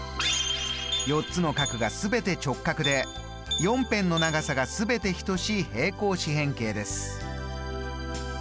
４つの角が全て直角で４辺の長さが全て等しい平行四辺形です。